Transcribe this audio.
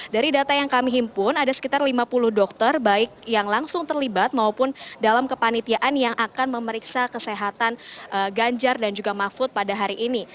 dari data yang kami himpun ada sekitar lima puluh dokter baik yang langsung terlibat maupun dalam kepanitiaan yang akan memeriksa kesehatan ganjar dan juga mahfud pada hari ini